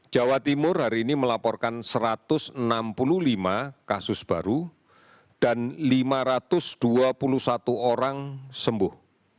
jawa timur hari ini melaporkan satu ratus enam puluh lima kasus baru dan lima ratus dua puluh satu orang sembuh